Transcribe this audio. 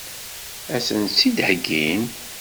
Ad sen-tt-id-heggin?